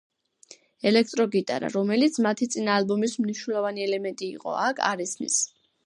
ელექტრო გიტარა, რომელიც მათი წინა ალბომის მნიშვნელოვანი ელემენტი იყო, აქ არ ისმის.